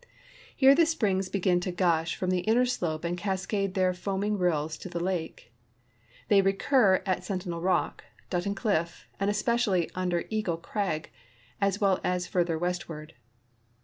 Here the springs begin to gush from the inner slope and cascade their foaming rills to the lake. They recur at Sen tinel rock, Button cliff, and especially under Eagle crag, as well as further westward.